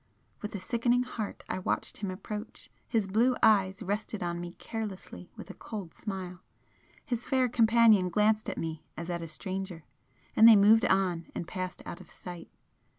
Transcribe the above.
With a sickening heart I watched him approach, his blue eyes rested on me carelessly with a cold smile his fair companion glanced at me as at a stranger and they moved on and passed out of sight.